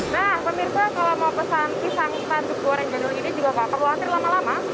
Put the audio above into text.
nah pemirsa kalau mau pesan pisang spanduk goreng jadul ini juga gak perlu antri lama lama